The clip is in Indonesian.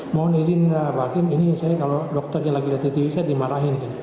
mohon izin pak hakim ini saya kalau dokter yang lagi lihat di tv saya dimarahin